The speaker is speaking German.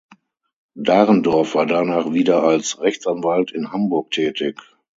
Dahrendorf war danach wieder als Rechtsanwalt in Hamburg tätig.